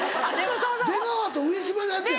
出川と上島のやつやろ。